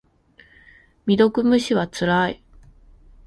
未読無視はつらい。